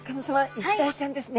イシダイちゃんですね。